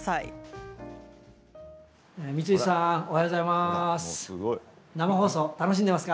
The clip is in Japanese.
光石さんおはようございます。